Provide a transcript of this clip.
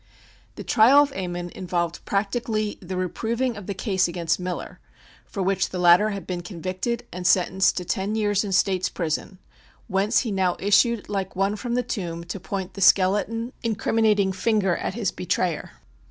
The trial of Ammon involved practically the reproving of the case against Miller, for which the latter had been convicted and sentenced to ten years in State's prison, whence he now issued like one from the tomb to point the skeleton, incriminating finger at his betrayer.